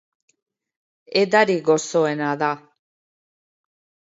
Edari gozoena da.